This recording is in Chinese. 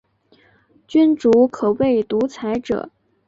君主可为独裁者。